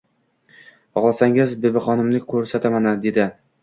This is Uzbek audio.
— Xohlasangiz Bibixonimni ko’rsataman?.. – dedi.